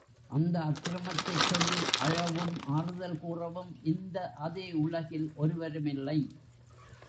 அந்த அக்ரமத்தைச் சொல்லி அழவும் ஆறுதல் கூறவும் இந்த அதே உலகில் ஒருவருமில்லை.